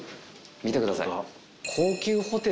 見てください。